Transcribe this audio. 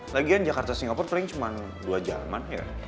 lagian jakarta singapur paling cuma dua jam an ya